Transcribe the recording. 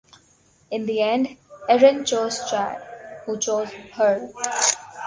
In the end, Erin chose Chad, who chose her.